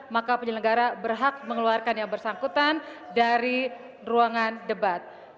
maka penyelenggara berhak mengeluarkan yang bersangkutan dari ruangan debat